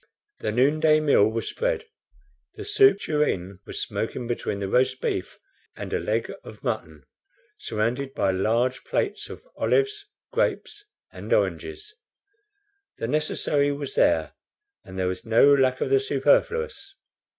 The noonday meal was spread; the soup tureen was smoking between roast beef and a leg of mutton, surrounded by large plates of olives, grapes, and oranges. The necessary was there and there was no lack of the superfluous.